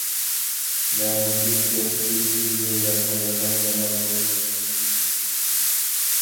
مەنىسىز گەپ ھېچكىمگە ياقمايدىغان زامان بۇ.